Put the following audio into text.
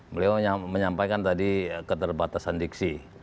beliau menyampaikan tadi keterbatasan diksi